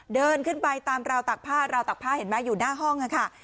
เดินขึ้นไปตามราวตักผ้าราวตักผ้าเห็นไหมอยู่หน้าห้องค่ะ